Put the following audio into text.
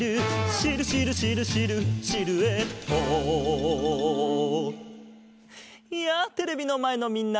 「シルシルシルシルシルエット」やあテレビのまえのみんな！